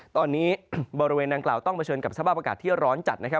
ตอนนี้บริเวณดังกล่าวต้องเผชิญกับสภาพอากาศที่ร้อนจัดนะครับ